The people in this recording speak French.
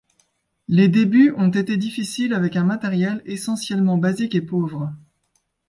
Les débuts ont été difficiles avec un matériel essentiellement basique et pauvre.